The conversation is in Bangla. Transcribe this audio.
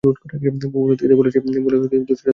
বউ ঔষধ খেতে বলেছে বলে দু-চারটা থাপ্পড়ও লাগিয়েছেন।